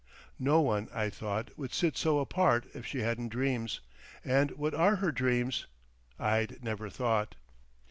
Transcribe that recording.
"No one," I thought, "would sit so apart if she hadn't dreams—and what are her dreams?" I'd never thought.